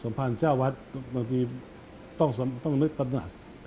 สำภาษณ์ชาวศาสตร์บางทีต้องนึกตรัสหนัก